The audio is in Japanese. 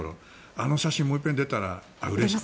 あの写真もう一遍出たらうれしい。